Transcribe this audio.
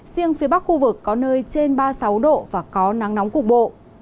riêng phía bắc khu vực có nơi trên ba mươi sáu độ và có nắng nóng cục bộ